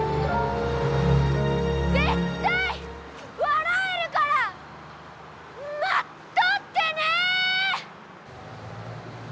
絶対笑えるから待っとってね！